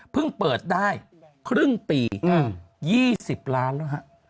เพิ่งเปิดได้ครึ่งปี๒๐ล้านแล้ว